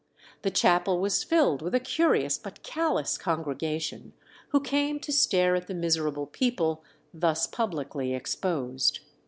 The chapel was filled with a curious but callous congregation, who came to stare at the miserable people thus publicly exposed.